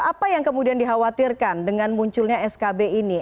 apa yang kemudian dikhawatirkan dengan munculnya skb ini